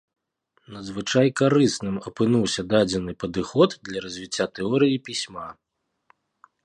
Надзвычай карысным апынуўся дадзены падыход для развіцця тэорыі пісьма.